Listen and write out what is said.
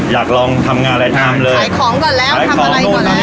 อยากลองทำงานหลายทางเลยขายของก่อนแล้วทำอะไรก่อนแล้ว